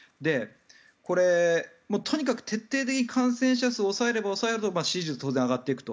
これ、とにかく徹底的に感染者数を抑えれば抑えるほど支持率は当然上がっていくと。